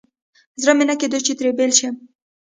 زړه مې نه کېده چې ترې بېل شم.